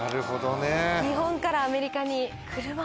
日本からアメリカに車を。